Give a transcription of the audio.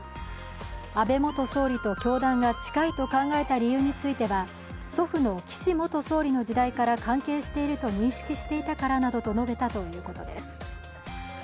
安倍元総理と教団が近いと考えた理由については祖父の岸元総理の時代から関係していると認識していたからなどと述べたということです。